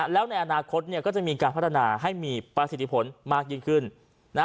แล้วในอนาคตเนี่ยก็จะมีการพัฒนาให้มีประสิทธิผลมากยิ่งขึ้นนะ